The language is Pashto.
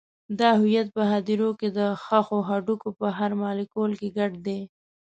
دا هویت په هدیرو کې د ښخو هډوکو په هر مالیکول کې ګډ دی.